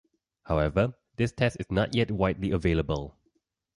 However, this test is not yet widely available.